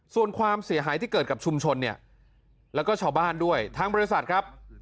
ส่วนความเสียหายที่เกิดกับชุมชนเนี่ยแล้วก็ชาวบ้านด้วยทางบริษัทครับ